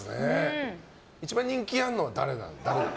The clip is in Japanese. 一番人気あるのは誰なんですか？